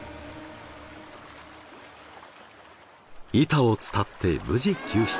板を伝って無事救出。